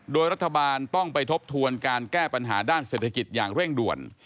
โดยรัฐบาลต้องไปทบทวนการแก้ปัญหาด้านเศรษฐกิจอย่างเร่งด่วน